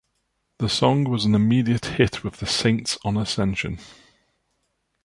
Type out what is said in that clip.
The song was an immediate hit with the Saints on Ascension.